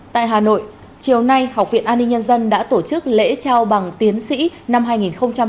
tại hà nội chiều nay học viện an ninh nhân dân đã tổ chức lễ trao bằng tiến sĩ năm hai nghìn một mươi chín